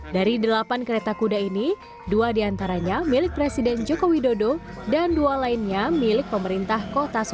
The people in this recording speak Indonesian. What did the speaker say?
dari delapan kereta kuda ini dua diantaranya milik presiden joko widodo dan dua lainnya milik pemerintah kota surabaya